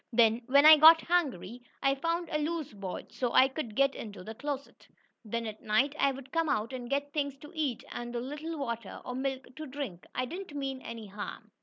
Then when I got hungry, I found a loose board, so I could get into the closet. Then at night I would come out and get things to eat and a little water or milk to drink. I didn't mean any harm."